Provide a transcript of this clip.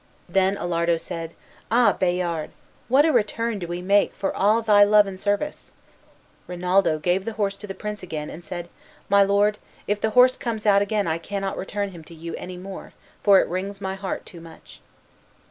Then Alardo said, "Ah, Bayard! what a return do we make for all thy true love and service!" Rinaldo gave the horse to the prince again, and said, "My lord, if the horse comes out again I cannot return him to you any more, for it wrings my heart too much."